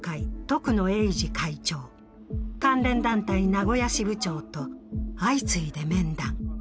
徳野英治会長、関連団体名古屋支部長と相次いで面談。